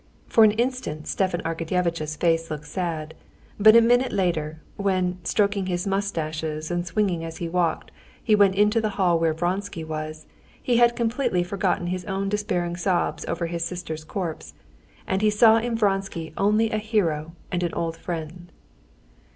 For an instant Stepan Arkadyevitch's face looked sad, but a minute later, when, stroking his mustaches and swinging as he walked, he went into the hall where Vronsky was, he had completely forgotten his own despairing sobs over his sister's corpse, and he saw in Vronsky only a hero and an old friend.